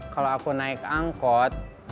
kalau aku naik angkot